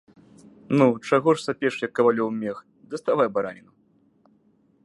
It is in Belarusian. Ну, чаго ж сапеш, як кавалёў мех, даставай бараніну.